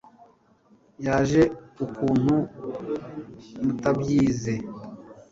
yaje ukuntu mutabyize